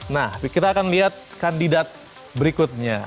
nah kita akan lihat kandidat berikutnya